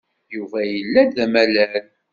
Yuba yella-d d amalal.